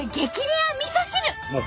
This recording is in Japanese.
レアみそ汁。